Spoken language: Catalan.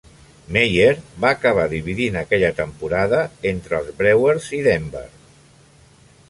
Meyer va acabar dividint aquella temporada entre els Brewers i Denver.